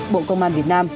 bộ công an việt nam